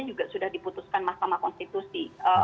juga sudah diputuskan mahkamah konstitusi